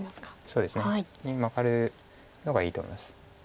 そうですね。にマガるのがいいと思います。